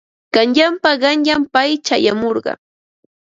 Qanyanpa qanyan pay chayamurqa.